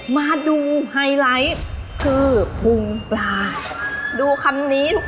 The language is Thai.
มาดูไฮไลท์คือพุงปลาดูคำนี้